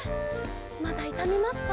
まだいたみますか？